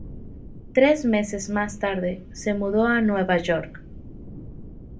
Tres meses más tarde, se mudó a Nueva York.